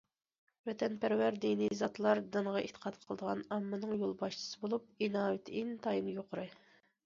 ۋەتەنپەرۋەر دىنىي زاتلار دىنغا ئېتىقاد قىلىدىغان ئاممىنىڭ يولباشچىسى بولۇپ، ئىناۋىتى ئىنتايىن يۇقىرى.